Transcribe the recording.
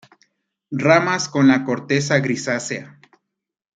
Ramas con la corteza grisácea.